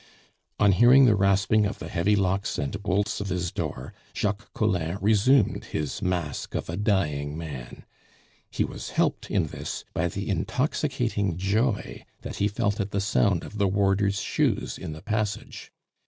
On hearing the rasping of the heavy locks and bolts of his door, Jacques Collin resumed his mask of a dying man; he was helped in this by the intoxicating joy that he felt at the sound of the warder's shoes in the passage.